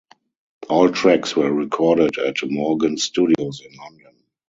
All tracks were recorded at Morgan Studios in London.